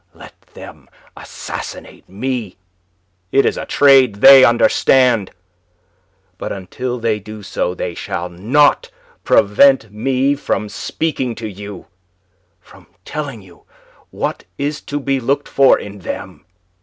Let them assassinate me. It is a trade they understand. But until they do so, they shall not prevent me from speaking to you, from telling you what is to be looked for in them."